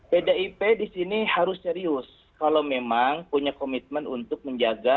pdip di sini harus serius kalau memang punya komitmen untuk menjaga